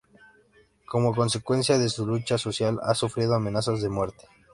Como consecuencia de su lucha social ha sufrido amenazas de muerte.